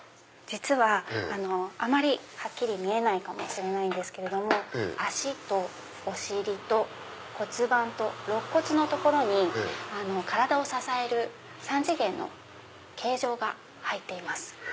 実はあまりはっきり見えないかもしれないですけど脚とお尻と骨盤と肋骨の所に体を支える３次元の形状が入っています。